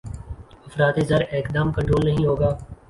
افراط زر ایکدم کنٹرول نہیں ہوگا۔